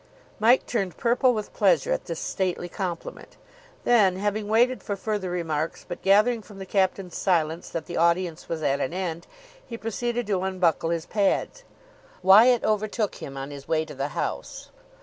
Mike turned purple with pleasure at this stately compliment. Then, having waited for further remarks, but gathering from the captain's silence that the audience was at an end, he proceeded to unbuckle his pads. Wyatt overtook him on his way to the house.